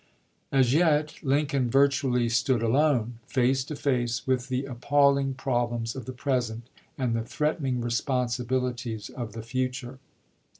As yet, Lincoln virtually stood alone, face to face with the appalling prob lems of the present and the threatening responsibili ties of the future.